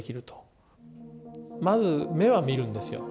まず目を見るんですよ。